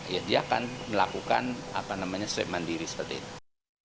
ya dia akan melakukan apa namanya swab mandiri seperti itu